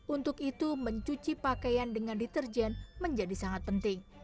untuk itu mencuci pakaian dengan deterjen menjadi sangat penting